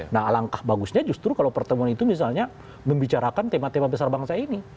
nah alangkah bagusnya justru kalau pertemuan itu misalnya membicarakan tema tema besar bangsa ini